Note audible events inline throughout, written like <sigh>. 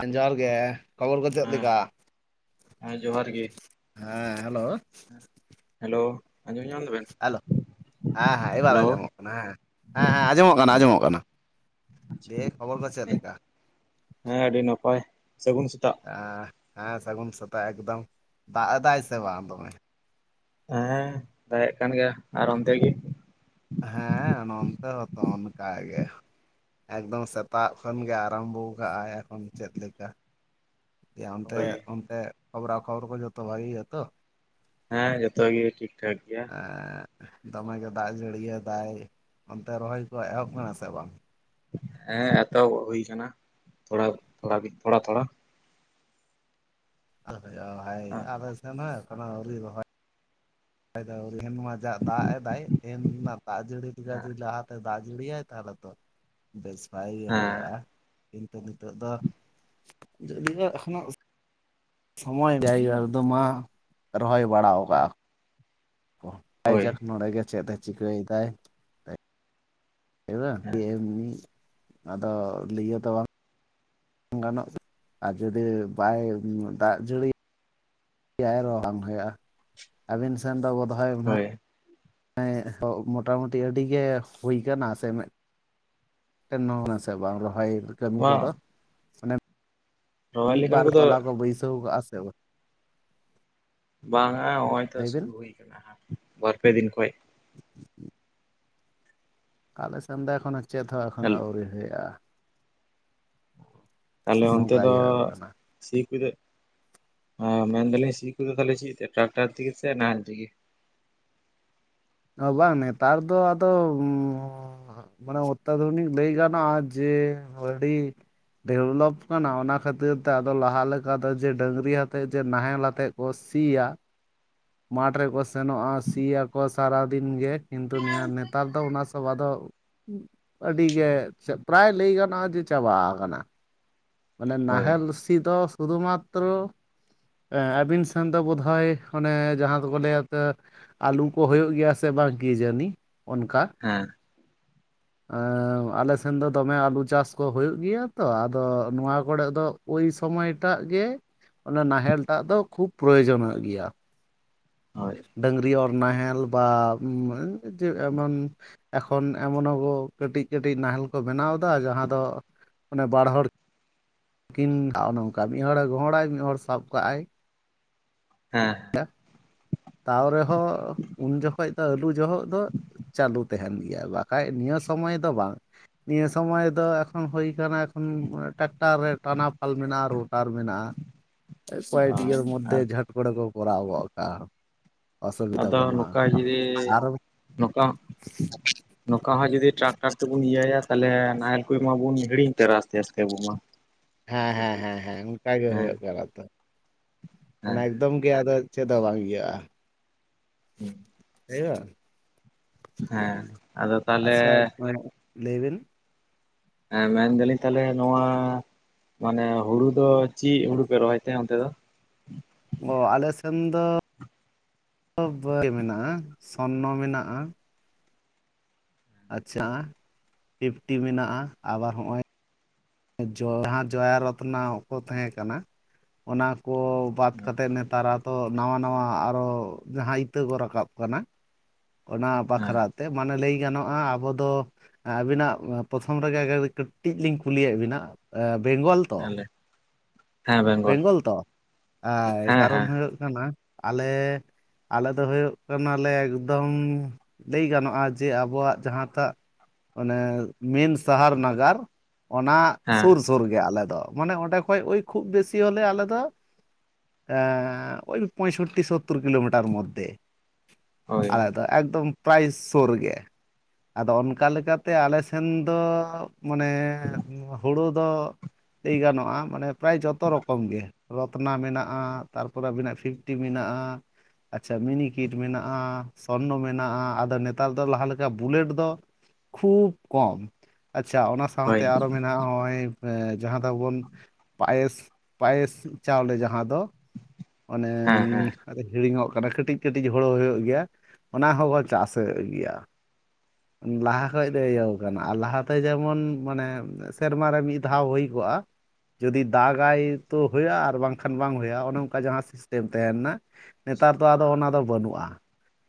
ᱦᱮᱸ ᱡᱚᱦᱟᱨ ᱜᱮ, ᱠᱷᱚᱵᱚᱨ ᱠᱚ ᱪᱮᱫ ᱦᱮᱸ ᱞᱮᱠᱟ? ᱦᱮᱸ ᱡᱚᱦᱟᱨ ᱜᱤ ᱦᱮᱸ ᱦᱮᱞᱳ ᱾ <inaudible> ᱦᱮᱞᱳ ᱟᱸᱡᱚᱢ ᱧᱟᱢ ᱮᱫᱟᱵᱮᱱ? ᱦᱮᱞᱳ <inaudible> ᱦᱮᱸ ᱦᱮᱸ ᱮᱵᱟᱨ ᱟᱸᱡᱚᱢᱚᱜ ᱠᱟᱱᱟ ᱦᱮᱸ, ᱦᱮᱸ ᱦᱮᱸ ᱟᱸᱡᱚᱢᱚᱜ ᱠᱟᱱᱟ ᱟᱸᱡᱚᱢᱚᱜ ᱠᱟᱱᱟ ᱾ ᱫᱤᱭᱮ ᱠᱷᱚᱵᱚᱨ ᱠᱚ ᱪᱮᱫ ᱞᱮᱠᱟ? ᱦᱮᱸ ᱟᱹᱰᱤ ᱱᱟᱯᱟᱭ ᱥᱟᱹᱜᱩᱱ ᱥᱮᱛᱟᱜ ᱾ ᱦᱮᱸ, ᱦᱮᱸ ᱥᱟᱹᱜᱩᱱ ᱥᱟᱛᱟᱜ ᱮᱠᱫᱚᱢ, ᱫᱟᱜ ᱮᱫᱟᱭ ᱥᱮ ᱵᱟᱝ ᱛᱚᱵᱮ? ᱦᱮᱸ ᱫᱟᱜ ᱮᱫ ᱠᱟᱱ ᱜᱮᱭᱟ ᱟᱨ ᱚᱱᱛᱮ ᱜᱤ ᱾ ᱦᱮᱸ ᱱᱚᱱᱛᱮ ᱦᱚᱛᱚ ᱚᱱᱠᱟᱜᱮ ᱾ ᱮᱠᱫᱚᱢ ᱥᱮᱛᱟᱜ ᱠᱷᱚᱱ ᱜᱮ ᱟᱨᱟᱢᱵᱚ ᱠᱟᱫᱟᱭ, ᱮᱠᱷᱚᱱ ᱪᱮᱫ ᱞᱮᱠᱟ ᱚᱱᱛᱮ ᱦᱳᱭ ᱚᱱᱛᱮ ᱠᱷᱚᱵᱽᱨᱟ ᱠᱷᱚᱵᱚᱨ ᱠᱚ ᱡᱚᱛᱚ ᱵᱷᱟᱜᱮ ᱜᱮᱭᱟ ᱛᱚ? ᱦᱮᱸ ᱡᱚᱛᱚ ᱜᱮ ᱴᱷᱤᱠ ᱴᱷᱟᱠ ᱜᱮᱭᱟ ᱾ ᱫᱚᱢᱮ ᱜᱮ ᱫᱟᱜ ᱡᱟᱹᱲᱤᱭᱟᱫᱟᱭ, ᱚᱱᱛᱮ ᱨᱚᱦᱚᱭ ᱠᱚ ᱮᱦᱚᱵ ᱟᱠᱟᱱᱟ ᱥᱮ ᱵᱟᱝ? ᱦᱮᱸ ᱮᱛᱚᱦ ᱦᱩᱭ ᱟᱠᱟᱱᱟ ᱛᱷᱚᱲᱟ ᱛᱷᱚᱲᱟ ᱛᱷᱚᱲᱟ ᱾ ᱦᱟᱭ ᱦᱮᱸ <unintelligible> ᱥᱟᱱᱟᱢ ᱟᱹᱣᱨᱤ ᱨᱚᱦᱚᱭ <unintelligible> ᱫᱚ ᱟᱹᱣᱨᱤᱭᱟ, ᱱᱚᱣᱟ ᱡᱟ ᱫᱟᱜ ᱮᱫᱟᱭ ᱛᱮᱦᱮᱱ ᱱᱟᱜ ᱫᱟᱜ ᱡᱟᱹᱲᱤ ᱦᱮᱸ ᱠᱮᱫᱟ <unintelligible> ᱫᱟᱜ ᱡᱟᱹᱲᱤᱭᱟᱭ ᱛᱟᱦᱚᱞᱮ ᱛᱚ ᱵᱮᱥ ᱵᱷᱟᱭ ᱜᱮ ᱦᱩᱭᱩᱜᱼᱟ ᱾ ᱠᱤᱱᱛᱩ ᱱᱤᱛᱚᱜ ᱫᱚ ᱤᱧᱟᱜ ᱠᱷᱚᱱᱟᱜ ᱥᱚᱢᱚᱭ ᱡᱟᱭᱜᱟ ᱨᱮᱫᱚ ᱢᱟ ᱨᱚᱦᱚᱭ ᱵᱟᱲᱟᱣ ᱟᱠᱟᱜᱼᱟ ᱠᱚ ᱦᱳᱭ ᱾ᱡᱟᱠ ᱱᱚᱰᱮ ᱜᱮ ᱪᱮᱫ ᱮ ᱪᱤᱠᱟᱹᱭ ᱮᱫᱟᱭ <unintelligible> ᱦᱮᱸ ᱮᱢᱱᱤ <inaudible> ᱟᱫᱚ ᱞᱟᱹᱭ ᱛᱚ ᱵᱟᱝ ᱜᱟᱱᱚᱜ ᱟᱨ ᱡᱩᱫᱤ ᱵᱟᱭ ᱫᱟᱜ ᱡᱟᱹᱲᱤ ᱟᱨᱚ ᱵᱟᱝ ᱦᱩᱭᱩᱜᱼᱟ ᱾ ᱟᱹᱵᱤᱱ ᱥᱮᱱ ᱫᱚ ᱵᱚᱫᱷᱦᱚᱭ ᱚᱱᱟ ᱦᱳᱭ ᱮᱸ ᱢᱚᱴᱟᱢᱩᱴᱤ ᱟᱹᱰᱤ ᱜᱮ ᱦᱩᱭ ᱠᱟᱱᱟ ᱥᱮ ᱢᱮᱫ <unintelligible> ᱥᱮ ᱵᱟᱝ, ᱨᱚᱦᱚᱭ ᱠᱟᱹᱢᱤ ᱱᱚᱣᱟ ᱠᱚᱫᱚ? ᱢᱟᱱᱮ ᱨᱚᱦᱚᱭ ᱢᱤᱫ ᱞᱮᱠᱟᱱ ᱵᱟᱨ ᱠᱚᱫᱚ ᱛᱚᱞᱟ ᱠᱚ ᱵᱟᱹᱭᱥᱟᱹᱣ ᱠᱟᱜᱼᱟ ᱥᱮ ᱵᱟᱝ? ᱵᱟᱝᱟ, ᱱᱚᱸᱜᱼᱚᱭ ᱛᱚ ᱞᱟᱹᱭ ᱵᱤᱱ ᱥᱩᱨᱩ ᱦᱩᱭ ᱠᱟᱱᱟ ᱦᱟᱸᱜ ᱵᱟᱨᱯᱮ ᱫᱤᱱ ᱠᱷᱚᱡ ᱾ ᱟᱞᱮ ᱥᱮᱱ ᱫᱚ ᱮᱠᱷᱚᱱᱳ ᱪᱮᱫ ᱦᱚᱸ ᱮᱠᱷᱚᱱᱳ ᱟᱹᱣᱨᱤ ᱦᱩᱭᱩᱜ-ᱟ᱾ ᱛᱟᱞᱮ ᱚᱱᱛᱮ ᱱᱚᱝᱠᱟ ᱫᱚ ᱤᱭᱟᱹ ᱠᱟᱱᱟ ᱥᱤ ᱠᱩᱫᱮ ᱦᱟᱸ ᱢᱮᱱᱫᱟᱞᱤᱧ ᱥᱤ ᱠᱚᱫᱚ ᱛᱟᱦᱞᱮ ᱪᱮᱫ ᱴᱨᱟᱠᱴᱟᱨ ᱛᱮᱜᱤ ᱥᱮ ᱱᱟᱦᱮᱞ ᱛᱮᱜᱤ? ᱚ ᱵᱟᱝ ᱱᱮᱛᱟᱨ ᱫᱚ ᱟᱫᱚ ᱩᱸᱻ ᱢᱟᱱᱮ ᱚᱛᱛᱟᱫᱷᱩᱱᱤᱠ ᱞᱟᱹᱭ ᱜᱟᱱᱚᱜ-ᱟ ᱡᱮ ᱟᱹᱰᱤ ᱰᱮᱵᱷᱞᱚᱯ ᱠᱟᱱᱟ ᱚᱱᱟ ᱠᱷᱟᱹᱛᱤᱨ ᱛᱮ ᱟᱫᱚ ᱞᱟᱦᱟ ᱞᱮᱠᱟ ᱫᱚ ᱡᱮ ᱰᱟᱹᱝᱨᱤ ᱦᱟᱛᱮᱫ ᱡᱮ ᱱᱟᱦᱮᱞ ᱟᱛᱮᱫ ᱠᱚ ᱥᱤᱭᱟ, <inaudible> ᱢᱟᱴᱷ ᱨᱮᱠᱚ ᱥᱮᱱᱚᱜ-ᱟ ᱥᱤᱭᱟᱠᱚ ᱥᱟᱨᱟᱫᱤᱱ ᱜᱮ, ᱠᱤᱱᱛᱩ ᱱᱮᱭᱟ ᱱᱮᱛᱟᱨ ᱫᱚ ᱚᱱᱟ ᱥᱚᱵ‌ ᱟᱫᱚ ᱟᱹᱰᱤ ᱜᱮ ᱪᱮ ᱯᱨᱟᱭ ᱞᱟᱹᱭ ᱜᱟᱱᱚᱜ-ᱟ ᱡᱮ ᱪᱟᱵᱟ ᱟᱠᱟᱱᱟ᱾ ᱢᱟᱱᱮ ᱦᱳᱭ ᱱᱟᱦᱮᱞ ᱥᱤ ᱫᱚ ᱥᱩᱫᱩ ᱢᱟᱛᱛᱨᱚ ᱮᱸ ᱟᱹᱵᱤᱱ ᱥᱮᱱ ᱫᱚ ᱵᱳᱫᱷᱚᱭ ᱚᱱᱮ ᱡᱟᱦᱟᱸ ᱫᱚᱵᱚ ᱞᱟᱹᱭᱟ ᱛᱚ ᱟᱹᱞᱩ ᱠᱚ ᱦᱩᱭᱩᱜ ᱜᱮᱭᱟ ᱥᱮ ᱵᱟᱝ ᱠᱤ ᱡᱟᱹᱱᱤ ᱚᱱᱠᱟ, ᱦᱮᱸ ᱮᱸᱻ ᱟᱞᱮᱥᱱ ᱫᱚ ᱫᱚᱢᱮ ᱟᱞᱩ ᱪᱟᱥ ᱠᱚ ᱦᱩᱭᱩᱜ ᱜᱮᱭᱟ ᱛᱚ ᱟᱫᱚ, ᱱᱚᱣᱟ ᱠᱚᱲᱮᱜ ᱫᱚ ᱳᱭ ᱥᱚᱢᱚᱭᱴᱟᱜ ᱜᱮ ᱚᱱᱟ ᱱᱟᱦᱮᱞ ᱴᱟᱜ ᱫᱚ ᱠᱷᱩᱵ ᱯᱨᱚᱭᱳᱡᱚᱱᱚᱜ ᱜᱮᱭᱟ᱾ ᱦᱳᱭ ᱰᱟᱝᱨᱤ ᱚᱨ ᱱᱟᱦᱮᱞ ᱵᱟ ᱡᱮ ᱮᱢᱚᱱ ᱮᱠᱷᱚᱱ ᱮᱢᱚᱱᱚᱜᱚ ᱠᱟᱹᱴᱤᱡ ᱠᱟᱹᱴᱤᱡ ᱱᱟᱦᱮᱞ ᱠᱚ ᱵᱮᱱᱟᱣᱫᱟ ᱡᱟᱦᱟᱸ ᱫᱚ ᱚᱱᱮ ᱵᱟᱲᱦᱚᱲ ᱠᱤᱱᱝᱠᱟ ᱢᱤᱫᱦᱚᱲᱮ ᱜᱚᱦᱚᱲᱟᱭ ᱢᱤᱫᱦᱚᱲ ᱥᱟᱵ ᱠᱟᱜ ᱟᱭ, ᱦᱮᱸ ᱛᱟᱣ ᱨᱮᱦᱚᱸ ᱩᱱ ᱡᱚᱠᱷᱚᱡ ᱫᱚ ᱟᱹᱞᱩ ᱡᱚᱦᱚᱜ ᱫᱚ ᱪᱟᱹᱞᱩ ᱛᱟᱦᱮᱱ ᱜᱮᱭᱟ ᱵᱟᱠᱷᱟᱡ ᱱᱤᱭᱟᱹ ᱥᱚᱢᱚᱭ ᱫᱚ ᱵᱟᱝ ᱱᱤᱭᱟᱹ ᱥᱚᱢᱚᱭ ᱫᱚ ᱮᱠᱷᱚᱱ ᱦᱩᱭ ᱠᱟᱱᱟ ᱠᱷᱚᱱ ᱴᱟᱠᱴᱟᱨ ᱨᱮ ᱴᱟᱱᱟᱣ ᱯᱷᱟᱞ ᱢᱮᱱᱟᱜ-ᱟ ᱨᱳᱴᱟᱨ ᱢᱮᱱᱟᱜ-ᱟ, ᱠᱚᱭᱮᱠ ᱦᱳᱭ ᱤᱭᱟᱹ ᱢᱚᱫᱽᱫᱷᱮ ᱡᱷᱟᱴ ᱠᱚᱲᱮ ᱠᱚ ᱠᱚᱨᱟᱣ ᱜᱚᱜ ᱠᱟᱜ-ᱟ᱾ ᱟᱫᱚ ᱱᱚᱠᱟ ᱡᱩᱫᱤ ᱱᱚᱠᱟ ᱱᱚᱠᱟ ᱦᱚᱸ ᱡᱩᱫᱤ ᱴᱨᱟᱠᱴᱟᱨ ᱛᱮᱵᱚᱱ ᱤᱭᱟᱹᱭᱟ ᱛᱟᱦᱞᱮ ᱱᱟᱦᱮᱞ ᱠᱩᱭ ᱢᱟᱵᱩᱱ ᱦᱤᱲᱤᱧ ᱩᱛᱟᱹᱨᱟ ᱟᱥᱛᱮ ᱟᱥᱛᱮ ᱟᱩᱚ ᱢᱟ᱾ <inaudible> ᱦᱮᱸ ᱠᱚ ᱦᱮᱸ ᱦᱮᱸ ᱦᱮᱸ ᱚᱱᱠᱟ ᱜᱮ ᱦᱮᱸ ᱦᱳᱭᱳᱜ ᱠᱟᱱᱟ ᱛᱚ ᱢᱟᱱᱮ ᱦᱮᱸ ᱮᱠᱫᱚᱢ ᱜᱮ ᱟᱫᱚ ᱪᱮᱫ ᱦᱚᱸ ᱵᱟᱝ ᱤᱭᱟᱹᱜ-ᱟ ᱦᱩᱸ ᱦᱳᱭᱳᱜ-ᱟ ᱦᱮᱸ ᱟᱫᱚ ᱛᱟᱦᱞᱮ ᱟᱪᱪᱷᱟ ᱞᱟᱹᱭ ᱵᱤᱱ ᱮᱸ ᱢᱮᱱᱫᱟᱞᱤᱧ ᱛᱟᱦᱞᱮ ᱱᱚᱣᱟ ᱢᱟᱱᱮ ᱦᱩᱲᱩ ᱫᱚ ᱪᱤᱜ ᱦᱩᱲᱩ ᱯᱮ ᱨᱚᱦᱚᱭ ᱛᱟᱦᱮᱸ ᱚᱱᱛᱮ ᱫᱚ? ᱚ ᱟᱞᱮ ᱥᱮᱱ ᱫᱚ ᱵᱟᱹᱭ ᱢᱮᱱᱟᱜ-ᱟ ᱥᱚᱨᱱᱚ ᱢᱮᱱᱟᱜ-ᱟ᱾ ᱟᱪᱪᱷᱟ ᱯᱷᱤᱯᱴᱤ ᱢᱮᱱᱟᱜ-ᱟ ᱟᱵᱟᱨ ᱦᱚᱸᱜ-ᱚᱭ ᱡᱚ ᱦᱟ ᱡᱚᱭᱟ ᱨᱚᱛᱱᱟ ᱠᱚ ᱛᱟᱦᱮᱸ ᱠᱟᱱᱟ ᱚᱱᱟ ᱠᱚ ᱵᱟᱫ ᱠᱟᱛᱮᱫ ᱱᱮᱛᱟᱨᱟ ᱛᱚ ᱱᱟᱣᱟ ᱱᱟᱣᱟ ᱟᱨᱚ ᱡᱟᱦᱟᱸ ᱤᱛᱟᱹ ᱠᱚ ᱨᱟᱠᱟᱵ ᱠᱟᱱᱟ, ᱚᱱᱟ ᱦᱮᱸ ᱵᱟᱠᱷᱨᱟ ᱛᱮ ᱢᱟᱱᱮ ᱞᱟᱹᱭ ᱜᱟᱱᱚᱜ-ᱟ ᱟᱵᱚ ᱫᱚ ᱟᱹᱵᱤᱱᱟᱜ ᱯᱨᱚᱛᱷᱚᱢ ᱨᱮᱜᱮ ᱠᱟᱹᱴᱤᱡ ᱞᱤᱧ ᱠᱩᱞᱤᱭᱮᱫ ᱵᱤᱱᱟ ᱵᱮᱝᱜᱚᱞ ᱛᱚ ᱦᱮᱸ ᱞᱮ ᱵᱮᱝᱜᱚᱞ ᱛᱚ ᱮᱭ ᱦᱮᱸ ᱠᱟᱨᱚᱱ ᱦᱮᱸ ᱦᱩᱭᱩᱜ ᱠᱟᱱᱟ ᱟᱞᱮ ᱟᱞᱮ ᱫᱚ ᱦᱩᱭᱩᱜ ᱠᱟᱱᱟᱞᱮ ᱮᱠᱫᱚᱢ ᱞᱟᱹᱭ ᱜᱟᱱᱚᱜ-ᱟ ᱡᱮ ᱟᱵᱚᱣᱟᱜ ᱡᱟᱦᱟᱸᱛᱟᱜ ᱚᱱᱮ ᱢᱮᱱ ᱥᱟᱦᱟᱨ ᱱᱟᱜᱟᱨ ᱚᱱᱟ ᱦᱮᱸ ᱥᱩᱨ ᱥᱩᱨ ᱜᱮ ᱟᱞᱮ ᱫᱚ ᱢᱟᱱᱮ ᱚᱸᱰᱮ ᱠᱷᱚᱡ ᱳᱭ ᱠᱷᱩᱵ ᱵᱮᱥᱤ ᱦᱚᱞᱮ ᱟᱞᱮ ᱫᱚ ᱳ ᱯᱚᱸᱭᱥᱚᱴᱴᱤ, ᱥᱳᱚᱛᱛᱨ ᱠᱤᱞᱳᱢᱤᱴᱟᱨ ᱢᱚᱫᱽᱷᱮ ᱦᱳᱭ ᱟᱞᱮ ᱫᱚ ᱮᱠᱫᱚᱢ ᱯᱨᱟᱭ ᱥᱩᱨ ᱜᱮ ᱟᱫᱚ ᱚᱱᱠᱟ ᱞᱮᱠᱟᱛᱮ ᱟᱞᱮ ᱥᱮᱱ ᱫᱚ ᱢᱟᱱᱮ ᱦᱩᱲᱩ ᱫᱚ ᱞᱟᱹᱭ ᱜᱟᱱᱚᱜᱼᱟ ᱢᱟᱱᱮ ᱯᱨᱟᱭ ᱡᱚᱛᱚ ᱨᱚᱠ ᱨᱚᱛᱱᱟ ᱢᱮᱱᱟᱜᱼᱟ ᱛᱟᱨᱯᱚᱨᱮ ᱟᱹᱵᱤᱱᱟᱜ ᱯᱷᱤᱯᱴᱤ ᱢᱮᱱᱟᱜᱼᱟ᱾ ᱟᱪᱪᱷᱟ ᱢᱤᱱᱤᱠᱤᱴ ᱢᱮᱱᱟᱜᱼᱟ ᱥᱚᱨᱱᱚ ᱢᱮᱱᱟᱜᱼᱟ ᱟᱫᱚ ᱱᱮᱛᱟᱨ ᱫᱚ ᱞᱟᱦᱟ ᱞᱮᱠᱟ ᱵᱩᱞᱮᱴ ᱫᱚ ᱠᱷᱩᱵ ᱠᱚᱢ ᱟᱪᱪᱷᱟ ᱚᱱᱟ ᱦᱳᱭ ᱥᱟᱝᱛᱮ ᱟᱨᱚ ᱢᱮᱱᱟᱜᱼᱟ ᱚᱜᱼᱚᱭ ᱡᱟᱦᱟᱸ ᱫᱚᱵᱚᱱ ᱯᱟᱭᱮᱥ ᱯᱟᱭᱮᱥ ᱪᱟᱣᱞᱮ ᱡᱟᱦᱟᱸ ᱫᱚ ᱚᱱᱮ ᱦᱮᱸ ᱦᱮᱸ ᱟᱫᱷᱮᱠ ᱦᱤᱲᱤᱧᱚᱜ ᱠᱟᱱᱟ ᱠᱟᱹᱴᱤᱡ ᱠᱟᱹᱴᱤᱡ ᱦᱳᱲᱳ ᱦᱩᱭᱩᱜ ᱜᱮᱭᱟ ᱚᱱᱟ ᱦᱚᱸᱵᱚᱱ ᱪᱟᱥᱮᱜ ᱜᱮᱭᱟ ᱞᱟᱦᱟ ᱠᱷᱚᱡ ᱟᱪᱪᱷᱟ ᱫᱚ ᱦᱮᱸ <unintelligible> ᱟᱨ ᱞᱟᱦᱟᱛᱮ ᱡᱮᱢᱚᱱ ᱢᱟᱱᱮ ᱥᱮᱨᱢᱟᱨ ᱨᱮ ᱢᱤᱫ ᱫᱷᱟᱣ ᱦᱩᱭ ᱠᱚᱜᱼᱟ ᱡᱩᱫᱤ ᱫᱟᱜᱟᱭ ᱛᱚ ᱦᱩᱭᱩᱜᱼᱟ ᱟᱨ ᱵᱟᱝᱠᱷᱟᱱ ᱵᱟᱝ ᱦᱩᱭᱩᱜᱼᱟ, ᱚᱱᱮ ᱚᱱᱠᱟ ᱡᱟᱦᱟᱸ ᱥᱤᱥᱴᱮᱢ ᱛᱟᱦᱮᱸᱱᱮᱱᱟ ᱱᱮᱛᱟᱨ ᱫᱚ ᱟᱫᱚ ᱚᱱᱟ ᱫᱚ ᱵᱟᱹᱱᱩᱜᱼᱟ᱾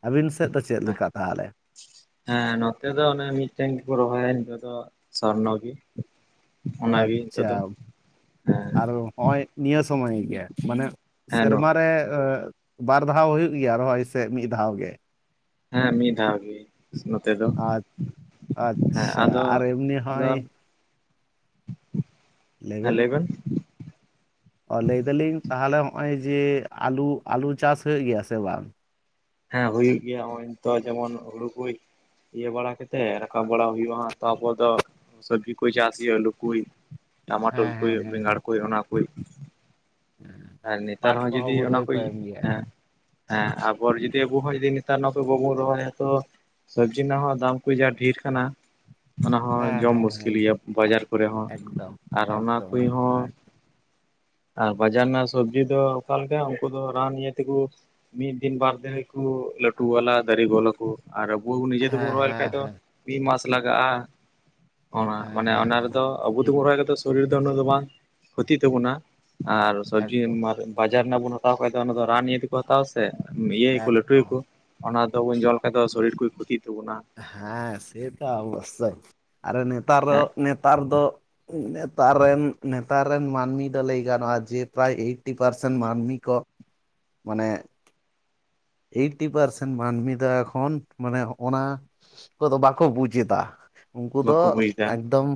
ᱟᱹᱵᱤᱱ ᱥᱮᱫ ᱫᱚ ᱪᱮᱫ ᱞᱮᱠᱟ ᱛᱟᱦᱟᱞᱮ? ᱦᱮᱸ ᱱᱚᱛᱮ ᱫᱚ ᱚᱱᱮ ᱢᱤᱫᱴᱮᱱ ᱜᱮᱠᱚ ᱨᱚᱦᱚᱭᱟ ᱱᱤᱛᱚᱜ ᱫᱚ ᱥᱚᱨᱱᱚ ᱜᱤ᱾ ᱟᱪᱪᱷᱟ ᱟᱨ ᱦᱮᱸ ᱦᱚᱸᱜᱼᱚᱭ ᱱᱤᱭᱟᱹ ᱥᱚᱢᱚᱭ ᱜᱮ ᱢᱟᱱᱮ ᱦᱮᱸ ᱥᱮᱨᱢ ᱨᱮ ᱵᱟᱨ ᱫᱷᱟᱣ ᱦᱳᱭᱳᱜ ᱜᱮᱭᱟ ᱨᱚᱦᱚᱭ ᱥᱮ ᱢᱤᱫ ᱫᱷᱟᱣ ᱜᱮ? ᱦᱮᱸ ᱢᱤᱫ ᱫᱷᱟᱣ ᱜᱮ᱾ ᱱᱚᱛᱮ ᱫᱚ, ᱦᱮᱸ ᱟᱪᱪᱷᱟ ᱟᱫᱚ ᱟᱨ ᱮᱢᱱᱤ ᱟᱫᱚ ᱦᱚᱸᱜᱼᱚᱭ ᱦᱮᱸ ᱞᱟᱹᱭᱵᱮᱱ? ᱚ ᱞᱟᱹᱭ ᱫᱟᱞᱤᱧ ᱛᱟᱦᱚᱞᱮ ᱦᱚᱜᱼᱚᱭ ᱡᱮ ᱟᱞᱩ ᱟᱞᱩ ᱪᱟᱥ ᱦᱩᱭᱩᱜ ᱜᱮᱭᱟ ᱥᱮ ᱵᱟᱝ? ᱦᱮᱸ ᱦᱩᱭᱩᱜ ᱜᱮᱭᱟ ᱚᱜᱚᱭ ᱱᱤᱛᱚ ᱡᱮᱢᱚᱱ ᱦᱩᱲᱩ ᱠᱩ ᱤᱭᱟᱹ ᱵᱟᱲᱟ ᱠᱟᱛᱮᱜ ᱨᱟᱠᱟᱵ ᱵᱟᱲᱟ ᱦᱩᱭᱩᱜᱼᱟ ᱛᱟᱯᱚᱨ ᱫᱚ ᱥᱟᱹᱵᱡᱤ ᱠᱚᱭ ᱪᱟᱥ ᱦᱩᱭᱩᱜ-ᱟ ᱟᱹᱞᱩ ᱠᱩᱭ᱾ ᱴᱟᱢᱟᱴᱳᱚᱞ ᱦᱮᱸ ᱦᱮᱸ ᱠᱩᱭᱩᱜ ᱦᱮᱸ ᱵᱮᱸᱜᱟᱲ ᱠᱩᱭᱩᱜ ᱚᱱᱟ ᱠᱩᱭ ᱟᱨ ᱱᱮᱛᱟᱨ ᱯᱟᱴ ᱦᱚᱸ ᱠᱚᱦᱚᱸ ᱡᱩᱫᱤ ᱚᱱᱟ ᱵᱳᱫᱷᱚᱭ ᱠᱚ ᱠᱩᱭ ᱮᱢ ᱜᱮᱭᱟ ᱦᱮᱸ ᱦᱮᱸ ᱵᱚᱨ ᱡᱫᱤ ᱟᱵᱩ ᱦᱚ ᱡᱩᱫᱤ ᱱᱮᱛᱟᱨ ᱱᱟᱜ ᱫᱚ ᱵᱟᱵᱩ ᱨᱚᱦᱚᱭᱟ ᱛᱚ ᱥᱟᱵᱽᱡᱤ ᱨᱮᱱᱟᱜ ᱦᱚᱸ ᱫᱟᱢ ᱠᱚ ᱡᱟ ᱰᱷᱤᱨ ᱠᱟᱱᱟ᱾ ᱦᱟᱱᱟ ᱦᱚᱸ ᱦᱮᱸ ᱡᱚᱢ ᱦᱮᱸ ᱦᱮᱸ ᱢᱩᱥᱠᱤᱞ ᱜᱮᱭᱟ ᱵᱟᱡᱟᱨ ᱠᱚᱨᱮ ᱦᱚᱸ ᱮᱠᱫᱚᱢ ᱟᱨ ᱚᱱᱟ ᱮᱠᱫᱚᱢ ᱠᱚᱭ ᱮᱠᱫᱚᱢ ᱦᱚᱸ ᱦᱮᱸ ᱟᱨ ᱵᱟᱡᱟᱨ ᱨᱮᱱᱟᱜ ᱥᱚᱵᱡᱤ ᱫᱚ ᱚᱠᱟᱞᱮᱠᱟ ᱩᱱᱠᱩ ᱫᱚ ᱨᱟᱱ ᱤᱭᱟᱹ ᱛᱮᱠᱚ ᱢᱤᱫ ᱛᱤᱱ ᱵᱟᱨ ᱛᱮᱜᱮ ᱠᱚ ᱞᱟᱹᱴᱩ ᱜᱚᱞᱟ ᱫᱟᱨᱤ ᱜᱚᱞᱚ ᱠᱚ ᱟᱨ ᱟᱵᱚ ᱱᱤᱡᱮ ᱛᱮᱵᱚ ᱦᱮᱸ ᱨᱚᱦᱚᱭ ᱦᱮᱸ ᱞᱮᱠᱷᱟᱡ ᱫᱚ ᱦᱮᱸ ᱢᱤᱜ ᱢᱟᱥ ᱞᱟᱜᱟᱜᱼᱟ ᱚᱱᱟ ᱚᱱᱮ ᱦᱮᱸ ᱚᱱᱟ ᱦᱮᱸ ᱨᱮᱫᱚ ᱟᱵᱩ ᱴᱷᱤᱠ ᱛᱮᱵᱩ ᱨᱚᱦᱚᱭ ᱠᱟᱫᱟ ᱥᱮ᱾ ᱥᱚᱨᱤᱨ ᱫᱚ ᱩᱱᱟᱹᱜ ᱫᱚ ᱵᱟᱝ ᱠᱷᱚᱛᱤᱜ ᱛᱟᱵᱚᱱᱟ ᱟᱨ ᱥᱚᱵᱡᱤ ᱮᱠᱫᱚᱢ ᱵᱟᱡᱟᱨ ᱨᱮᱱᱟᱜ ᱵᱚᱱ ᱦᱟᱛᱟᱣ ᱠᱷᱟᱡ ᱫᱚ ᱚᱱᱟ ᱫᱚ ᱨᱟᱱ ᱤᱭᱟᱹ ᱛᱮᱠᱚ ᱦᱟᱛᱟᱣᱟ ᱥᱮ ᱤᱭᱟᱹᱭᱟᱠᱩ ᱞᱟᱹᱴᱩᱭ ᱮᱠᱫᱚᱢ ᱭᱟᱠᱚ᱾ ᱚᱱᱟ ᱫᱚᱵᱚᱱ ᱡᱚᱞ ᱞᱮᱠᱷᱟᱡ ᱫᱚ ᱥᱚᱨᱤᱨ ᱠᱩ ᱠᱷᱚᱛᱤᱜ ᱛᱟᱵᱚᱱᱟ ᱦᱮᱸ ᱥᱮᱛᱚ ᱚᱵᱚᱥᱥᱳᱭ ᱟᱨ ᱱᱮᱛᱟᱨ ᱫᱚ ᱦᱮᱸ ᱱᱮᱛᱟᱨ ᱫᱚ ᱱᱮᱛᱟᱨ ᱨᱮᱱ, ᱱᱮᱛᱟᱨ ᱨᱮᱱ ᱢᱟᱹᱱᱢᱤ ᱫᱚ ᱞᱟᱹᱭ ᱜᱟᱱᱚᱜᱼᱟ ᱡᱮ ᱯᱨᱟᱭ ᱮᱭᱴ ᱴᱤ ᱯᱟᱨᱥᱮᱱ ᱢᱟᱹᱱᱢᱤ ᱠᱚ ᱢᱟᱱᱮ ᱮᱭᱤᱴᱤ ᱯᱟᱨᱥᱮᱱ ᱢᱟᱹᱱᱢᱤ ᱫᱚ ᱮᱠᱷᱚᱱ ᱢᱟᱱᱮ ᱚᱱᱟ ᱠᱚᱫᱚ ᱵᱟᱠᱚ ᱵᱩᱡ ᱮᱫᱟ᱾ ᱩᱝᱠᱩ ᱫᱚ ᱵᱟᱠᱚ ᱵᱩᱡᱽᱫᱟ ᱮᱠᱫᱚᱢ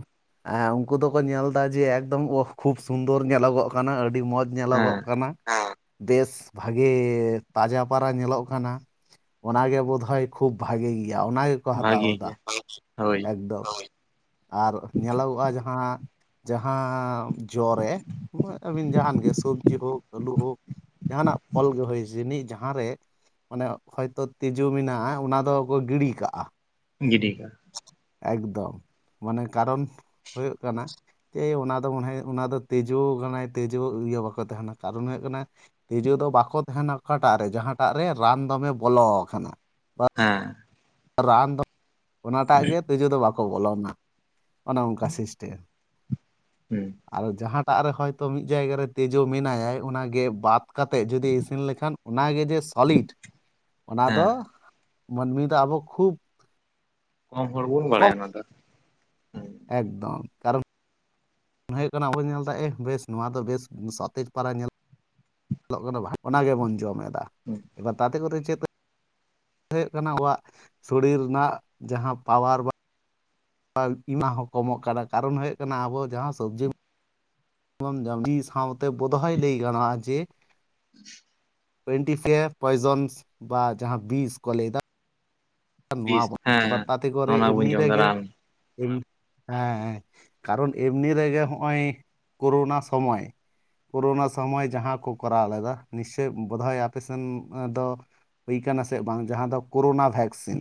ᱮ ᱩᱱᱠᱩ ᱫᱚᱠᱚ ᱧᱮᱞ ᱮᱫᱟ ᱡᱮ ᱮᱠᱫᱚᱢ ᱠᱷᱩᱵ ᱥᱩᱱᱫᱚᱨ ᱧᱮᱞᱚᱜᱚᱜ ᱠᱟᱱᱟ ᱟᱹᱰᱤ ᱢᱚᱸᱡᱽ᱾ ᱧᱮᱞᱚᱜᱚᱜ ᱦᱮᱸ ᱠᱟᱱᱟ ᱵᱮᱥ ᱵᱷᱟᱜᱮ ᱛᱟᱡᱟᱼᱼ ᱚᱯᱟᱨᱟ ᱧᱮᱞᱚᱜ ᱠᱟᱱᱟ ᱚ ᱜᱮᱮ ᱵᱳᱫᱷᱚᱭ ᱠᱷᱩᱵ ᱵᱷᱟᱜᱮ ᱜᱮᱭᱟ ᱚᱱᱟ᱾ ᱠᱚ ᱦᱟᱛᱟᱣ ᱵᱷᱟᱜᱤ ᱮᱟ ᱜᱮ ᱦᱳᱭ ᱮᱠᱫᱚᱢ ᱟᱨ ᱧᱮᱞᱚᱜᱚᱜᱼᱟ ᱡᱟᱦᱟᱸ ᱡᱟᱦᱟᱸᱼᱼ ᱡᱚ ᱨᱮ ᱟᱹᱵᱤᱱ ᱡᱟᱦᱟᱱ ᱜᱮ ᱥᱚᱵᱽᱡᱤ ᱦᱳᱠ ᱟᱹᱞᱩ ᱦᱳᱠᱼᱼ ᱡᱟᱦᱟᱱᱟᱜ ᱯᱷᱚᱞ ᱜᱮ ᱦᱩᱭ ᱡᱟᱹᱱᱤᱡ ᱡᱟᱼᱼ ᱡᱟᱦᱟᱸ ᱨᱮ ᱢᱟᱱᱮ ᱦᱚᱭᱛᱚ ᱛᱤᱡᱩ ᱢᱮᱱᱟᱜᱼᱟ ᱚᱱᱟ ᱫᱚᱠᱚ ᱜᱤᱰᱤ ᱠᱟᱜᱼᱟ᱾ ᱡᱮ ᱴᱷᱤᱠᱭᱟ᱾ ᱮᱠᱫᱚᱢ ᱢᱟᱱᱮ ᱠᱟᱨᱚᱱ ᱦᱩᱭᱩᱜ ᱠᱟᱱᱟ᱾ ᱡᱮ ᱚᱱᱟ ᱫᱚ ᱚᱱᱮ ᱚᱱᱟ ᱫᱚ ᱛᱮᱡᱩ ᱠᱟᱱᱟᱭ ᱛᱡᱩ ᱤᱭᱟᱹ ᱵᱟᱠᱚ ᱛᱟᱦᱮᱱᱟ ᱠᱟᱨᱚᱱ ᱦᱩᱭᱩᱜ ᱠᱟᱱᱟᱼᱼ ᱛᱤᱡᱩ ᱫᱚ ᱵᱟᱠᱚ ᱛᱟᱦᱮᱱᱟ ᱚᱠᱟᱴᱟᱜ ᱨᱮ ᱡᱟᱦᱟᱸᱴᱟᱜ ᱨᱮ ᱨᱟᱱ ᱫᱚᱢᱮ ᱵᱚᱞᱚ ᱟᱠᱟᱱᱟ᱾ ᱦᱮᱸ ᱨᱟᱱ ᱫᱚ ᱚᱱᱟᱴᱟᱜ ᱜᱮ ᱛᱤᱡᱩ ᱫᱚ ᱵᱟᱠᱚ ᱵᱚᱞᱚᱱᱟ ᱚᱱᱮ ᱚᱱᱠᱟ ᱥᱤᱥᱴᱮᱢ ᱦᱮᱸᱻ ᱟᱨ ᱡᱟᱸᱦᱟᱴᱟᱜ ᱨᱮ ᱦᱚᱭᱛᱳ ᱢᱤᱫ ᱡᱟᱭᱜᱟ ᱨᱮ ᱛᱤᱡᱩ ᱢᱮᱱᱟᱭᱟᱭ ᱚᱱᱟᱜᱮ ᱵᱟᱫᱼᱼ ᱠᱟᱛᱮᱜ ᱡᱩᱫᱤ ᱤᱥᱤᱱ ᱞᱮᱠᱷᱟᱱ ᱚᱱᱟᱜᱮ ᱡᱮ ᱥᱚᱞᱤᱰ ᱚᱱᱟ ᱫᱚᱼᱼ ᱦᱮᱸ ᱢᱟᱹᱱᱢᱤ ᱫᱚ ᱟᱵᱚ ᱠᱷᱩᱵᱽᱼᱼ ᱠᱚᱢ ᱦᱚᱲ ᱵᱩᱱ ᱵᱟᱲᱟᱭᱟ ᱚᱱᱟ ᱫᱚ᱾ ᱦᱩᱸ ᱮᱠᱫᱚᱢ ᱠᱟᱨᱚᱱᱼᱼ ᱦᱩᱭᱩᱜ ᱠᱟᱱᱟ ᱟᱵᱚ ᱧᱮᱞ ᱮᱫᱟ ᱮ ᱵᱮᱥ ᱱᱚᱣᱟ ᱫᱚ ᱵᱮᱥ ᱥᱟᱛᱮᱡ ᱯᱟᱨᱟ ᱧᱮᱞᱼᱼ ᱚᱱᱟ ᱜᱮᱵᱚᱱ ᱡᱚᱢ ᱮᱫᱟ ᱦᱩᱸ ᱮᱵᱟᱨ ᱛᱟᱛᱮ ᱠᱚᱨᱮᱚ ᱪᱮᱫᱼᱼ ᱦᱩᱭᱩᱜ ᱠᱟᱱᱟ ᱟᱵᱣᱟᱜ ᱥᱚᱨᱤᱨ ᱨᱮᱱᱟᱜ ᱡᱟᱦᱟ ᱯᱟᱣᱟᱨ ᱵᱟᱼᱼ ᱟᱨ ᱤᱢᱟ ᱦᱚᱸ ᱠᱚᱢᱚᱜ ᱠᱟᱫᱟ ᱠᱟᱨᱚᱱ ᱦᱩᱭᱩᱜ ᱠᱟᱱᱟ ᱟᱵᱚ ᱡᱟᱸᱦᱟ ᱥᱚᱵᱽᱡᱤᱼᱼ <unintelligible> ᱡᱚᱢᱵᱤ ᱥᱟᱶᱛᱮ ᱵᱳᱫᱦᱚᱭ ᱞᱟᱹᱭ ᱜᱟᱱᱚᱜᱼᱟ ᱡᱮᱼᱼ <inaudible> ᱴᱮᱱᱴᱤ ᱯᱷᱮᱭᱟᱨ ᱯᱚᱭᱮᱡᱚᱱᱥ ᱵᱟ ᱡᱟᱸᱦᱟ ᱵᱤᱥ ᱠᱚ ᱞᱟᱹᱭ ᱫᱟ᱾ ᱱᱚᱣᱟ ᱵᱤᱥ ᱠᱚᱨᱮ ᱵᱟ ᱦᱮᱸ ᱛᱟᱛᱮ ᱠᱚᱨᱮ ᱚᱱᱟ ᱵᱟᱹᱧ ᱮᱢᱱᱤ ᱡᱚᱢ ᱫᱟ ᱨᱮᱜᱮ ᱨᱟᱱ ᱦᱮᱸᱼᱼ ᱠᱟᱨᱚᱱ ᱮᱢᱱᱤ ᱨᱮᱜᱮ ᱦᱚᱜᱼᱚᱭ ᱠᱳᱨᱳᱱᱟ ᱥᱚᱢᱚᱭ ᱠᱳᱨᱳᱱᱟ ᱥᱚᱢᱚᱭ ᱡᱟᱸᱦᱟ ᱠᱚ ᱠᱚᱨᱟᱣ ᱞᱮᱫᱟ ᱱᱤᱥᱪᱳᱭ ᱵᱳᱫᱷ ᱦᱚᱭ ᱟᱯᱮ ᱥᱮᱱ ᱫᱚᱼᱼ ᱦᱩᱭ ᱠᱟᱱᱟ ᱥᱮ ᱵᱟᱝ ᱡᱟᱸᱦᱟ ᱫᱚ ᱠᱳᱨᱳᱱᱟ ᱵᱷᱮᱠᱥᱤᱱ᱾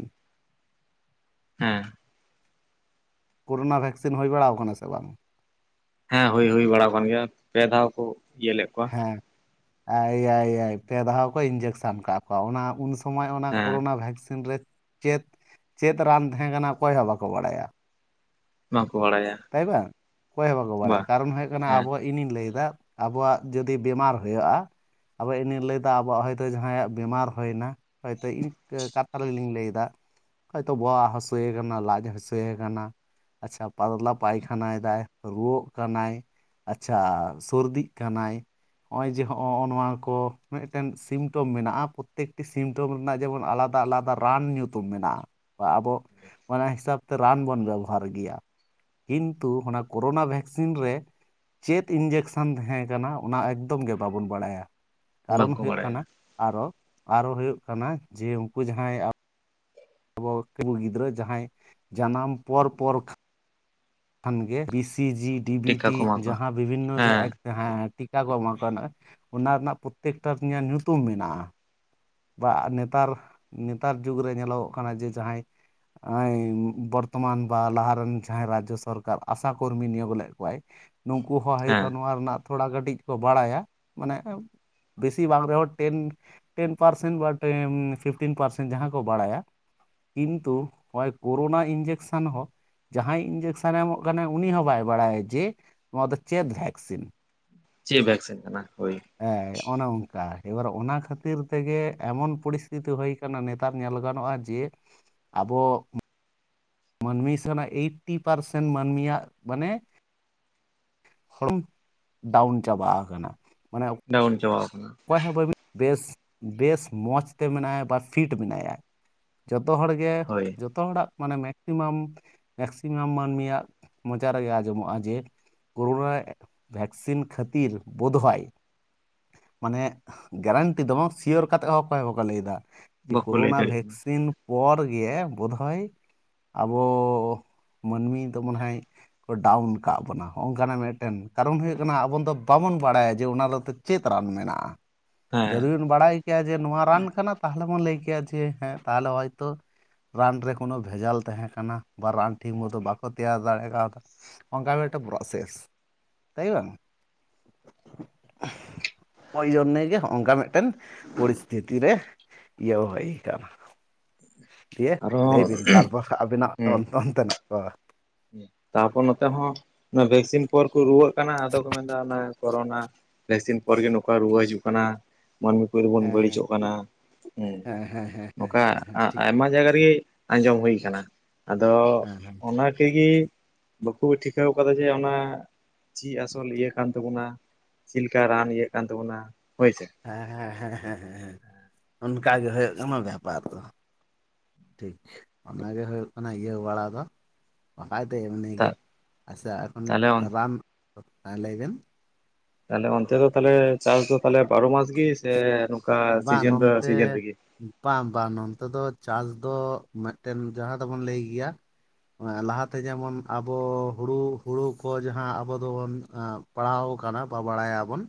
ᱦᱮᱸᱻ ᱠᱳᱨᱳᱱᱟ ᱵᱷᱮᱠᱥᱤᱱ ᱦᱩᱭ ᱵᱟᱲᱟᱣ ᱠᱟᱱᱟ ᱥᱮ ᱵᱟᱝ? ᱦᱮᱸ ᱦᱩᱭ ᱦᱩᱭ ᱵᱟᱲᱟᱣ ᱠᱟᱱ ᱜᱮᱭᱟ ᱯᱮ ᱫᱷᱟᱣ ᱠᱚ ᱤᱭᱟᱹ ᱞᱮᱜ ᱠᱚᱣᱟ᱾ ᱮᱸ ᱮᱭᱟᱭ ᱮᱭᱟᱭ ᱯᱮ ᱫᱷᱟᱣ ᱠᱚ ᱤᱧᱡᱮᱠᱥᱟᱱ ᱠᱟᱜ ᱠᱚᱣᱟ ᱳᱱᱟᱼᱼ ᱩᱱ ᱥᱳᱢᱳᱭ ᱚᱱᱟ ᱦᱮᱸ ᱠᱳᱨᱳᱱᱟ ᱵᱷᱮᱠᱥᱤᱱ ᱨᱮ ᱪᱮᱫ ᱪᱮᱫ ᱨᱟᱱ ᱛᱟᱦᱮᱸ ᱠᱟᱱᱟ ᱚᱠᱚᱭ ᱦᱚᱸ ᱵᱟᱠᱚ ᱵᱟᱲᱟᱭᱟ᱾ ᱵᱟᱝᱠᱚ ᱵᱟᱲᱟᱭᱟ ᱛᱟᱭ ᱵᱟᱝ ᱚᱠᱚᱭ ᱦᱚᱸ ᱵᱟᱠᱚ ᱵᱟ ᱵᱟᱲᱟᱭᱟ ᱠᱟᱨᱚᱱ ᱦᱩᱭᱩᱜ ᱠᱟᱱᱟ ᱦᱮᱸ ᱟᱵᱚᱣᱟᱜᱼᱼ ᱤᱧᱤᱧ ᱞᱟᱹᱭᱫᱟ ᱟᱵᱚᱣᱟᱜ ᱡᱩᱫᱤ ᱵᱤᱢᱟᱨ ᱦᱳᱭᱳᱜᱼᱟ᱾ ᱟᱵᱚ ᱤᱧᱤᱧ ᱞᱟᱹᱭᱫᱟ ᱟᱵᱚᱣᱟᱜ ᱦᱚᱭᱛᱳ ᱡᱟᱦᱟᱸᱭᱟᱜ ᱵᱤᱢᱟᱨ ᱦᱳᱭᱱᱟ, ᱦᱳᱭᱛᱳ ᱤᱧ ᱠᱟᱛᱷᱟ ᱨᱮᱞᱤᱧ ᱞᱟᱹᱭᱫᱟ ᱦᱚᱭᱛᱚ ᱵᱚᱦᱚᱜ ᱦᱟᱹᱥᱩᱭᱮ ᱠᱟᱱᱟ ᱞᱟᱡ ᱦᱟᱹᱥᱩᱭᱮ ᱠᱟᱱᱟ ᱟᱪᱪᱷᱟ ᱯᱟᱛᱞᱟᱚᱵᱼᱼ ᱯᱟᱭᱠᱷᱟᱱᱟᱭ ᱮᱫᱟᱭ ᱨᱩᱣᱟᱹᱜ ᱠᱟᱱᱟᱭ ᱟᱪᱪᱷᱟ ᱥᱚᱨᱫᱤᱜ ᱠᱟᱱᱟᱭ, ᱱᱚᱜᱼᱚᱭ ᱡᱮ ᱦᱚᱜᱼᱚ ᱱᱚᱣᱟ ᱠᱚ ᱢᱤᱜᱴᱮᱱ ᱥᱤᱢᱴᱚᱢ ᱢᱮᱱᱟᱜᱼᱟ ᱯᱚᱛᱛᱮᱠᱴᱤ ᱥᱤᱢᱼᱼ ᱧᱩᱛᱩᱢ ᱨᱮᱱᱟᱜ ᱡᱮᱢᱚᱱ ᱟᱞᱟᱫᱟ ᱟᱞᱟᱫᱟ ᱨᱟᱱ ᱧᱩᱛᱩᱢ ᱢᱮᱱᱟᱜᱼᱟ ᱵᱟ ᱟᱵᱚᱼᱼ ᱚᱱᱟ ᱦᱤᱥᱟᱹᱵᱽ ᱛᱮ ᱨᱟᱱ ᱵᱚᱱ ᱵᱮᱵᱚᱦᱟᱨ ᱜᱮᱭᱟ᱾ ᱠᱤᱱᱛᱩ ᱚᱱᱟ ᱠᱳᱨᱳᱱᱟ ᱵᱷᱮᱠᱥᱤᱱ ᱨᱮ, ᱪᱮᱫ ᱤᱱᱡᱮᱠᱥᱮᱱ ᱛᱟᱦᱮᱸ ᱠᱟᱱᱟ, ᱚᱱᱟ ᱮᱠᱫᱚᱢ ᱜᱮ ᱵᱟᱵᱚᱱ ᱵᱟᱲᱟᱭᱟ᱾ ᱠᱟᱨᱚᱱ ᱵᱟᱝᱠᱚ ᱦᱩᱭᱩᱜ ᱵᱟᱲᱟᱭᱟ ᱠᱟᱱᱟ, ᱟᱨᱚ ᱟᱨᱚ ᱦᱩᱭᱩᱜ ᱠᱟᱱᱟ ᱡᱮ ᱩᱱᱠᱩ ᱡᱟᱸᱦᱟᱭ ᱟᱵᱚ ᱟᱵᱚ ᱩᱱᱠᱩ ᱜᱤᱫᱽᱨᱟᱹ ᱡᱟᱦᱟᱸᱭ ᱡᱟᱱᱟᱢ, ᱯᱚᱨ ᱯᱚᱨ ᱠᱷᱟᱱ ᱜᱮ B C G D B ᱴᱤᱠᱟ ᱴᱤ ᱠᱚ ᱮᱢᱟ ᱠᱚᱣᱟ ᱡᱟᱸᱦᱟ ᱵᱤᱵᱷᱤᱱᱱᱚ ᱡᱮ ᱦᱮᱸ ᱮᱠ ᱦᱮᱸ ᱴᱤᱠᱟ ᱠᱚ ᱮᱢᱟ ᱠᱚᱣᱟ ᱱᱚᱜᱼᱚᱭ, ᱚᱱᱟ ᱨᱮᱱᱟᱜ ᱯᱚᱛᱮᱠᱴᱟ ᱨᱮᱱᱟᱜ ᱧᱩᱛᱩᱢ ᱢᱮᱱᱟᱜᱼᱟ᱾ ᱵᱟ ᱱᱮᱛᱟᱨ, ᱱᱮᱛᱟᱨ ᱡᱩᱜᱽᱨᱮ ᱧᱮᱞᱚᱜ ᱠᱟᱱᱟ ᱡᱮ ᱡᱟᱦᱟᱸᱭ ᱮᱸ ᱵᱚᱨᱛᱚᱢᱟᱱ ᱵᱟ ᱞᱟᱦᱟ ᱨᱮᱱ ᱡᱟᱦᱟᱸᱭ ᱨᱟᱡᱽᱡᱚ ᱥᱚᱨᱠᱟᱨ, ᱟᱥᱟ ᱠᱚᱨᱢᱤ ᱱᱤᱭᱳᱜ ᱞᱮᱫ ᱠᱚᱣᱟᱭ ᱱᱩᱱᱠᱩ ᱦᱚᱸ ᱦᱮᱭᱛᱚ, ᱦᱮᱸ ᱱᱚᱣᱟ ᱨᱮᱱᱟᱜ ᱛᱷᱚᱲᱟ ᱠᱟᱹᱴᱤᱡ ᱠᱚ ᱵᱟᱲᱟᱭᱟ, ᱢᱟᱱᱮ ᱵᱮᱥᱤ ᱵᱟᱝ ᱨᱮᱦᱚᱸ ᱴᱮᱱ ᱴᱮᱱ ᱯᱟᱨᱥᱮᱱ ᱵᱟ ᱴᱮ ᱯᱷᱤᱯᱴᱤᱱ ᱯᱟᱨᱥᱮᱱ ᱡᱟᱸᱦᱟ ᱠᱚ ᱵᱟᱲᱟᱭᱟ᱾ ᱠᱤᱱᱛᱩ ᱱᱚᱜᱼᱚᱭ, ᱠᱳᱨᱳᱱᱟ ᱤᱧᱡᱮᱠᱥᱟᱱ ᱦᱚᱸ ᱡᱟᱦᱟᱸᱭ ᱤᱧᱡᱮᱠᱥᱟᱱᱮ ᱮᱢᱚᱜ ᱠᱟᱱᱟᱭ, ᱩᱱᱤ ᱦᱚᱸ ᱵᱟᱭ ᱵᱟᱲᱟᱭᱟ ᱡᱮ ᱱᱚᱣᱟ ᱫᱚ ᱪᱮᱫ ᱵᱷᱮᱠᱥᱤᱱ? ᱪᱮᱫ ᱵᱷᱮᱠᱥᱤᱱ ᱠᱟᱱᱟ ᱦᱳᱭ ᱾ ᱦᱮᱸ ᱚᱱᱮ ᱚᱱᱠᱟ, ᱮᱵᱟᱨ ᱚᱱᱟ ᱠᱷᱟᱛᱤᱨ ᱛᱮᱜᱮ ᱮᱢᱚᱱ ᱯᱚᱨᱤᱥᱛᱷᱤᱛᱤ ᱦᱩᱭ ᱠᱟᱱᱟ, ᱱᱮᱛᱟᱨ ᱧᱮᱞ ᱜᱟᱱᱚᱜᱼᱟ ᱡᱮ ᱟᱵᱚ ᱢᱟᱹᱱᱢᱤ ᱥᱮᱱᱟᱜ ᱮᱭᱤᱴᱴᱤ ᱯᱟᱨᱥᱮᱱ ᱢᱟᱹᱱᱢᱤᱭᱟᱜ ᱢᱟᱱᱮ ᱦᱚᱲ <unintelligible> ᱰᱟᱹᱣᱩᱱ ᱪᱟᱵᱟ ᱟᱠᱟᱱᱟ, ᱢᱟᱱᱮ ᱰᱟᱹᱣᱩᱱ ᱪᱟᱵᱟᱣ ᱠᱟᱱᱟ᱾ ᱚᱠᱚᱭ ᱦᱚᱸ ᱵᱟᱹᱵᱮ <unintelligible> ᱵᱮᱥ ᱵᱮᱥ ᱢᱚᱡᱽ ᱛᱮ ᱢᱮᱱᱟᱭᱟ, ᱵᱟ ᱯᱷᱤᱴ ᱢᱮᱱᱟᱭᱟ᱾ ᱡᱚᱛᱚ ᱦᱚᱲ ᱜᱮ, ᱦᱳᱭ ᱡᱚᱛᱚ ᱦᱚᱲᱟᱜ ᱢᱟᱱᱮ ᱢᱮ ᱠᱥᱤᱢᱟᱢ ᱢᱮᱠᱥᱤᱢᱟᱢ ᱢᱟᱹᱱᱢᱤᱭᱟᱜ ᱢᱚᱪᱟ ᱨᱮᱜᱮ ᱟᱸᱡᱚᱢᱚᱜᱼᱟ, ᱡᱮ ᱠᱳᱨᱳᱱᱟ ᱵᱷᱮᱠᱥᱤᱱ ᱠᱷᱟᱹᱛᱤᱨ ᱵᱳᱫᱷᱦᱚᱭ ᱢᱟᱱᱮ ᱜᱮᱨᱮᱱᱴᱤ ᱫᱚ ᱵᱟᱝ ᱥᱤᱭᱳᱨ ᱠᱟᱛᱮᱫ ᱦᱚᱸ ᱚᱠᱚᱭ ᱦᱚᱸ ᱵᱟᱠᱚ ᱞᱟᱹᱭ ᱮᱫᱟ, ᱡᱮ ᱵᱟᱠᱚ ᱞᱟᱹᱭ ᱠᱳᱨᱳᱱᱟ ᱫᱟᱲᱮᱭᱟᱜ ᱠᱟᱱᱟ ᱵᱷᱮᱠᱥᱤᱱ ᱯᱚᱨ ᱜᱮ ᱵᱳᱫᱷᱚᱭ, ᱟᱵᱚ ᱢᱟᱹᱱᱢᱤ ᱫᱚ ᱢᱚᱱᱮ ᱦᱚᱭ ᱠᱚ ᱰᱟᱣᱩᱱ ᱟᱠᱟᱫ ᱵᱚᱱᱟ᱾ ᱚᱜᱼᱱᱚᱝᱠᱟᱱᱟᱜ ᱢᱤᱫᱴᱮᱱ ᱠᱟᱨᱚᱱ ᱦᱩᱭᱩᱜ ᱠᱟᱱᱟ, ᱟᱵᱚ ᱫᱚ ᱵᱟᱵᱚᱱ ᱵᱟᱲᱟᱭᱟ ᱡᱮ ᱚᱱᱟᱛᱮ ᱪᱮᱫ ᱨᱟᱱ ᱢᱮᱱᱟᱜᱼᱟ᱾ ᱦᱮᱸ ᱡᱩᱫᱤ ᱵᱤᱱ ᱵᱟᱲᱟᱭ ᱠᱮᱭᱟ ᱡᱮ ᱱᱚᱣᱟ ᱨᱟᱱ ᱠᱟᱱᱟ ᱛᱟᱦᱚᱞᱮ ᱵᱚᱱ ᱞᱟᱹᱭ ᱠᱮᱭᱟ ᱡᱮ, ᱦᱮᱸ ᱛᱟᱦᱞᱮ ᱦᱚᱭᱛᱚ ᱨᱟᱱ ᱨᱮ ᱠᱳᱱᱳ ᱵᱷᱮᱡᱟᱞ ᱛᱟᱦᱮᱸ ᱠᱟᱱᱟ, ᱵᱟ ᱨᱟᱱ ᱴᱷᱤᱠ ᱢᱚᱛᱚ ᱵᱟᱠᱚ ᱛᱮᱭᱟᱨ ᱫᱟᱲᱮ ᱠᱟᱣᱫᱟ᱾ ᱚᱱᱠᱟ ᱢᱤᱫᱴᱮᱡ ᱯᱨᱚᱥᱮᱥ, ᱛᱟᱹᱭ ᱵᱟᱝ? ᱳᱭ ᱡᱚᱱᱱᱮ ᱜᱮ, ᱦᱚᱜᱼᱚᱭᱝᱠᱟ ᱢᱤᱫᱴᱮᱱ ᱯᱚᱨᱤᱥᱛᱷᱤᱛᱤ ᱨᱮ ᱤᱭᱟᱹ ᱦᱩᱭ ᱟᱠᱟᱱᱟ᱾ ᱫᱷᱤᱭᱮ, ᱟᱨᱚ ᱞᱟᱹᱭ ᱵᱤᱱ ᱛᱟᱨᱯᱚᱨ ᱦᱟᱸᱜ ᱟᱵᱤᱱᱟᱜ ᱚᱱ ᱚᱱᱛᱮᱱᱟᱜ ᱠᱚ᱾ ᱛᱟᱯᱚᱨ ᱱᱚᱛᱮ ᱦᱚᱸ, ᱵᱷᱮᱠᱥᱤᱱ ᱯᱚᱨ ᱠᱚ ᱨᱩᱣᱟᱹᱜ ᱠᱟᱱᱟ ᱟᱫᱚ ᱠᱚ ᱢᱮᱱᱫᱟ ᱚᱱᱟ ᱠᱳᱨᱳᱱᱟ ᱵᱷᱮᱠᱥᱤᱱ ᱯᱚᱨ ᱜᱮ, ᱱᱚᱝᱠᱟ ᱨᱩᱣᱟᱹ ᱦᱤᱡᱩᱜ ᱠᱟᱱᱟ᱾ ᱢᱟᱹᱱᱢᱤ ᱨᱮᱵᱚᱱ ᱦᱮᱸ ᱦᱮᱸ ᱵᱟᱹᱲᱤᱡᱚᱜ ᱠᱟᱱᱟ᱾ ᱦᱮᱸ ᱦᱮᱸ ᱦᱮᱸ ᱱᱚᱝᱠᱟ ᱦᱮᱸ ᱦᱮᱸ ᱴᱷᱤᱠ ᱟᱭᱢᱟ ᱡᱟᱭᱜᱟ ᱨᱮᱜᱮ ᱟᱸᱡᱚᱢ ᱦᱩᱭ ᱟᱠᱟᱱᱟ᱾ ᱟᱫᱚ ᱦᱮᱸ ᱦᱮᱸ ᱚᱱᱟ ᱠᱮᱜᱮ ᱵᱟᱠᱚ ᱴᱷᱤᱠᱟᱹᱣ ᱠᱟᱫᱟ, ᱡᱮ ᱚᱱᱟ ᱪᱮᱫ ᱟᱥᱚᱞ ᱤᱭᱟᱹ ᱠᱟᱱ ᱛᱟᱵᱚᱱᱟ᱾ ᱪᱮᱫ ᱞᱮᱠᱟ ᱨᱟᱱ ᱤᱭᱟᱹᱜ ᱠᱟᱱ ᱛᱟᱵᱚᱱᱟ ᱦᱳᱭᱥᱮ ᱾ ᱦᱮᱸ, ᱦᱮᱸ, ᱦᱮᱸ, ᱦᱮᱸ, ᱦᱮᱸ ᱚᱱᱠᱟ ᱜᱮ ᱦᱩᱭᱩᱜ ᱠᱟᱱᱟ ᱵᱮᱯᱟᱨ ᱫᱚ ᱾ ᱴᱷᱤᱠ ᱚᱱᱟᱜᱮ ᱦᱩᱭᱩᱜ ᱠᱟᱱᱟ ᱤᱭᱟᱹ ᱵᱟᱲᱟ ᱫᱚ᱾ ᱵᱟᱠᱷᱟᱡ ᱛᱮ ᱮᱢᱱᱤ ᱜᱮ, ᱟᱪᱪᱷᱟ ᱮᱠᱷᱚᱱ ᱛᱟᱦᱞᱮ ᱨᱟᱱ ᱞᱟᱹᱭ ᱵᱮᱱ ᱛᱟᱦᱚᱞᱮ ᱚᱱᱛᱮ ᱫᱚ ᱛᱟᱞᱦᱮ ᱪᱟᱥ ᱫᱚ ᱛᱟᱦᱞᱮ ᱵᱟᱨᱚ ᱢᱟᱥ ᱜᱮ ᱥᱮ, ᱱᱚᱝᱠᱟ ᱵᱟᱝ ᱥᱤᱡᱮᱱ ᱯᱮ ᱱᱚᱱᱛᱮ ᱥᱤᱡᱤᱱ ᱨᱮᱜᱮ? ᱵᱟᱝ ᱵᱟᱝ, ᱱᱚᱱᱛᱮ ᱫᱚ ᱪᱟᱥ ᱫᱚ ᱢᱤᱫᱴᱮᱱ ᱡᱟᱦᱟᱸ ᱫᱚᱵᱚᱱ ᱞᱟᱹᱭ ᱜᱮᱭᱟ ᱞᱟᱦᱟᱛᱮ ᱡᱮᱢᱚᱱ ᱟᱵᱚ, ᱦᱩᱲᱩ ᱦᱩᱲᱩ ᱠᱚ ᱡᱟᱦᱟᱸ ᱟᱵᱚ ᱫᱚᱵᱚᱱ ᱟᱸ ᱯᱟᱲᱦᱟᱣ ᱠᱟᱱᱟ ᱵᱟ ᱵᱟᱲᱟᱭ ᱟᱵᱚᱱ᱾